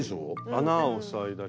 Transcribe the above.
穴を塞いだり。